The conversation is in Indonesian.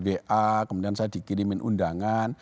ba kemudian saya dikirimin undangan